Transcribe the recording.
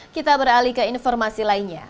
kita beralih ke informasi lainnya